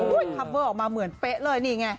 คัมเวอร์ออกมาเหมือนเป๊ะเลยนี่ไง